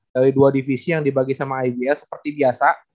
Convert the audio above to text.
dari dua divisi yang dibagi sama igs seperti biasa